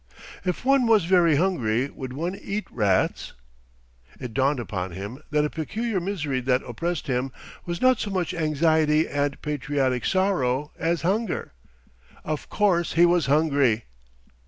If one was very hungry would one eat rats? It dawned upon him that a peculiar misery that oppressed him was not so much anxiety and patriotic sorrow as hunger. Of course he was hungry!